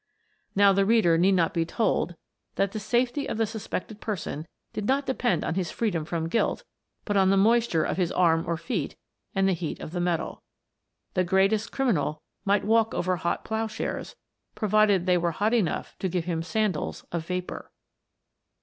Now the reader need not be told that the safety of the sus pected person did not depend on his freedom from guilt but on the moisture of his arm or feet and the heat of the metal. The greatest criminal might walk over hot ploughshares, provided they were hot enough to give him sandals of vapour.